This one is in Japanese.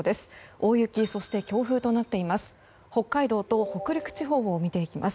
大雪、そして強風となっています